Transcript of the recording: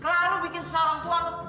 selalu bikin susah orang tua tuh